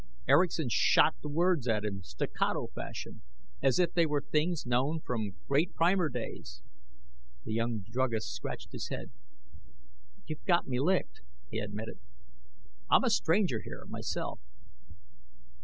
Erickson shot the words at him staccato fashion, as if they were things known from Great Primer days. The young druggist scratched his head. "You've got me licked," he admitted. "I'm a stranger here, myself."